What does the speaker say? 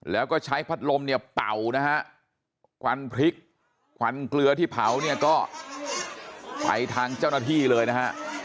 แล้วก็ใช้พัดลมเนี่ยเป่านะฮะควันพริกควันเกลือที่เผาเนี่ยก็ไปทางเจ้าหน้าที่เลยนะฮะ